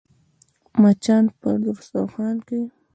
مچان پر دسترخوان کښېني